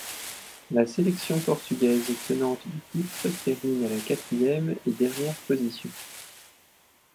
La sélection portugaise, tenante du titre, termine à la quatrième et dernière position.